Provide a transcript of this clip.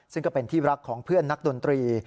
ซึ่งก็เป็นที่รักของเพื่อนนักดนตรี